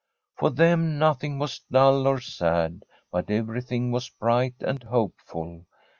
For them nothing was dull or sad, but everything was bright and hopeful.